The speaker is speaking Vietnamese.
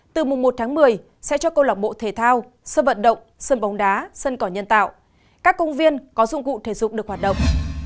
từ mùng một tháng một mươi sẽ cho câu lạc bộ thể thao sân vận động sân bóng đá sân cỏ nhân tạo các công viên có dụng cụ thể dục được hoạt động